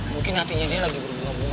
mungkin hatinya lagi berbunga bunga